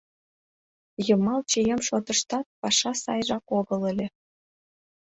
Йымал чием шотыштат паша сайжак огыл ыле.